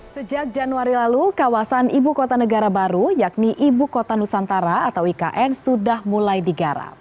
sejak januari lalu kawasan ibu kota negara baru yakni ibu kota nusantara atau ikn sudah mulai digarap